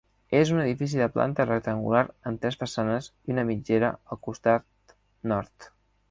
És un edifici de planta rectangular amb tres façanes i una mitgera al costat nord.